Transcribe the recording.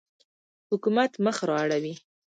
حکومت مخ را اړوي.